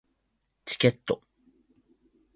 チケット